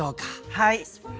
はい。